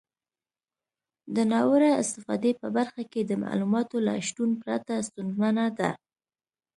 د ناوړه استفادې په برخه کې د معلوماتو له شتون پرته ستونزمنه ده.